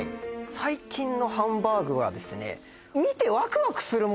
最近のハンバーグはですね